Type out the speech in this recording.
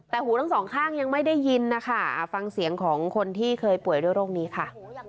แต่หูทั้งสองข้างยังไม่ได้ยินนะคะฟังเสียงของคนที่เคยป่วยด้วยโรคนี้ค่ะ